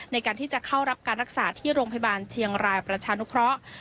ในการที่จะเข้ารับการรักษาที่โรงพยาบาลเชียงรายประชานุเคราะห์